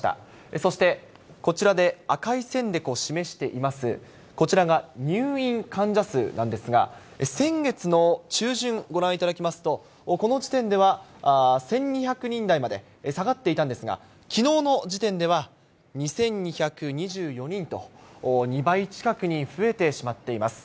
そして、こちらで赤い線で示しています、こちらが入院患者数なんですが、先月の中旬、ご覧いただきますと、この時点では１２００人台まで下がっていたんですが、きのうの時点では２２２４人と、２倍近くに増えてしまっています。